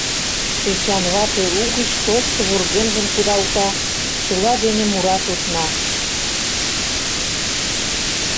Эчан вате угыч тошто вургемжым кудалта, чыла дене мураш ушна.